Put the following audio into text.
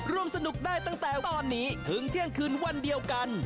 ร่วมสนุกได้ตั้งแต่ตอนนี้ถึงเที่ยงคืนวันเดียวกัน